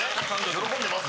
喜んでます。